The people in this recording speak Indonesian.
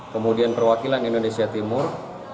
kemudian perwakilan indonesia timur